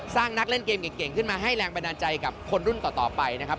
นักเล่นเกมเก่งขึ้นมาให้แรงบันดาลใจกับคนรุ่นต่อไปนะครับ